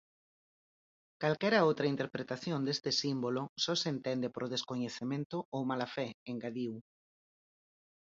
"Calquera outra interpretación deste símbolo só se entende por descoñecemento ou mala fe", engadiu.